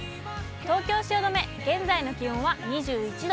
東京・汐留、現在の気温は２１度。